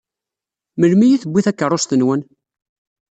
Melmi i tewwi takeṛṛust-nwen?